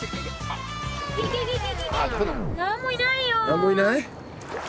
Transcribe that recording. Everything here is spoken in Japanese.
何もいないよ。